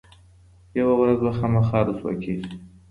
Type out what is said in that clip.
یوه ورځ به خامخا رسوا کیږي.